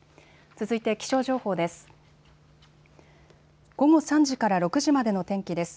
続いて気象情報です。